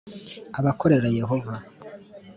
abakorera Yehova.